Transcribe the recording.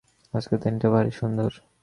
আজকের দিনটা ভারি সুন্দর।